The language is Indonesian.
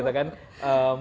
betul juga gitu kan